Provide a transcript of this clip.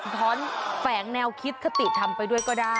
ท้อนแฝงแนวคิดคติธรรมไปด้วยก็ได้